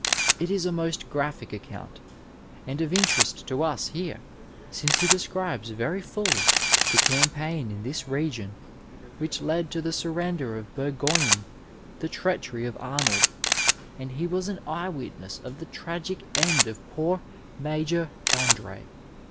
It is a most graphic account, and of interest to us here since he describes very fully the campaign in this region, which led to the sur render of Burgojnie, the treachery of Arnold, and he was an eye witness of the tragic end of poor Major Andre.